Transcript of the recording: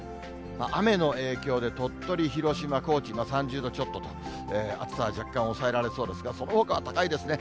雨の影響で、鳥取、広島、高知、３０度ちょっとと、暑さは若干抑えられそうですが、そのほかは高いですね。